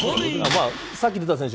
さっき出た選手